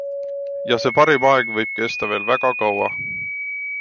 Ja see parim aeg võib kesta veel väga kaua.